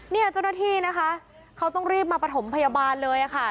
เนี่ยเจ้าหน้าที่นะคะเขาต้องรีบมาประถมพยาบาลเลยค่ะ